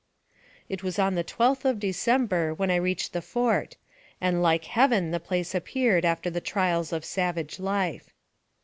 It was on the 12th of December when I reached the fort, and like heaven the place appeared after the trials of savage life.